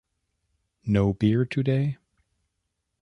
No beer today?